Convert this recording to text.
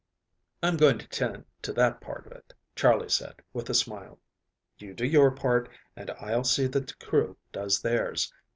"I'm going to tend to that part of it," Charley said, with a smile. "You do your part, and I'll see that the crew does theirs.